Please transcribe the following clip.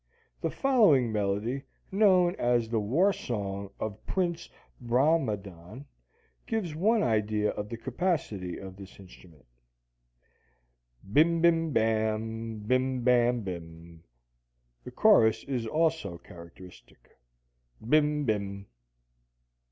The following melody, known as the "War Song of Prince Brahmadan," gives one an idea of the capacity of this instrument: Bim bim bam, bim bam bim. The chorus is also characteristic: Bim, bim!